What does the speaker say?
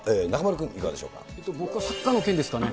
僕はサッカーの件ですかね。